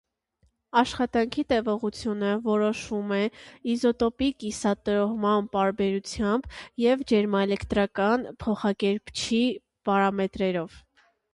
Աշխատանքի տևողությունը որոշվում է իզոտոպի կիսատրոհման պարբերությամբ և ջերմաէլեկտրական փոխակերպչի պարամետրերով։